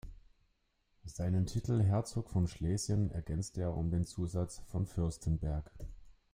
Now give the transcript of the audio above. Seinen Titel "Herzog von Schlesien" ergänzte er um den Zusatz "von Fürstenberg".